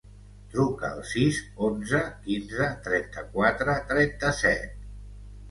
Truca al sis, onze, quinze, trenta-quatre, trenta-set.